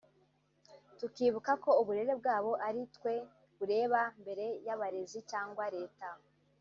tukibuka ko uburere bwabo ari twe bureba mbere y’abarezi cyangwa Leta